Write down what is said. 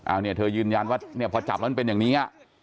เอาเนี่ยเธอยืนยันว่าเนี่ยพอจับแล้วมันเป็นอย่างนี้